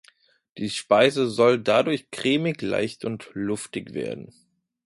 Die Speise soll dadurch cremig, leicht und luftig werden.